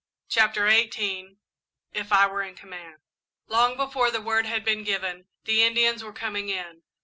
CHAPTER XVIII "IF I WERE IN COMMAND" Long before the word had been given, the Indians were coming in.